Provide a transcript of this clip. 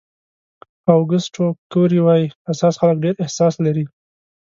اوګسټو کوري وایي حساس خلک ډېر احساس لري.